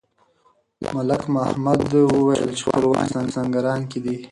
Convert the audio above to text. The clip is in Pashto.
ملک محمد وویل چې خپلوان یې په سینګران کې دي.